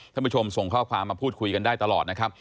ท่านผู้ชมส่งข้อความมาพูดคุยกันได้ตลอดนะครับ